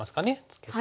ツケて。